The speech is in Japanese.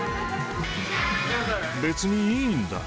別にいいんだ。